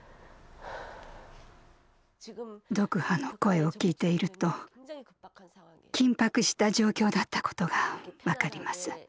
ドクハの声を聞いていると緊迫した状況だったことが分かります。